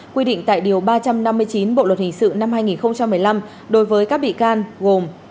quy định tại điều ba trăm năm mươi chín bộ luật hình sự năm hai nghìn một mươi năm đối với các bị can gồm